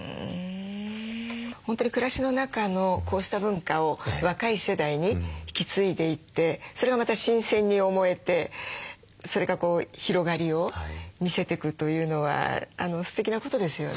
本当に暮らしの中のこうした文化を若い世代に引き継いでいってそれがまた新鮮に思えてそれが広がりを見せていくというのはすてきなことですよね。